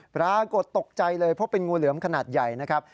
ปรากฏตกใจเลยเพราะเป็นงูเหลือมขนาดใหญ่นะครับ